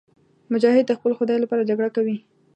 مجاهد د خپل خدای لپاره جګړه کوي.